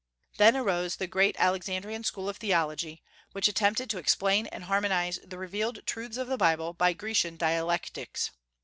Then arose the great Alexandrian school of theology, which attempted to explain and harmonize the revealed truths of the Bible by Grecian dialectics.